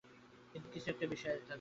কিছু একটা নিশ্চয়ই থাকবে।